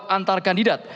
menjawab antar kandidat